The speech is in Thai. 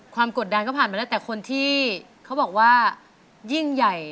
กดดันก็ผ่านมาแล้วแต่คนที่เขาบอกว่ายิ่งใหญ่